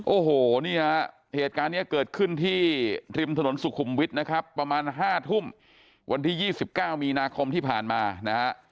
โอ้โหนี่ฮะเหตุการณ์นี้เกิดขึ้นที่ริมถนนสุขุมวิทย์นะครับประมาณ๕ทุ่มวันที่๒๙มีนาคมที่ผ่านมานะฮะ